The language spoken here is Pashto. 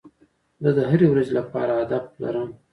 زه د هري ورځي لپاره هدف لرم.